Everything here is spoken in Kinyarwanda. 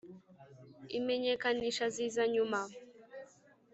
Imenyekanisha ziza nyuma.